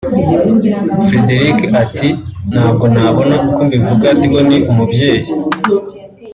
Frederick ati “ Ntabwo nabona uko mbivuga Tigo ni umubyeyi